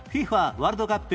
ワールドカップ